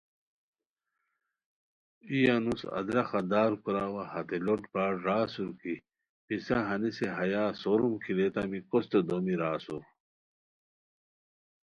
ای انوسو ادرخہ دار کوراوا ہتے لوٹ برار را سور کی پِسہ ہنیسے ہیا سوروم کی لیتامی کوستے دومی را اسور